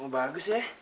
oh bagus ya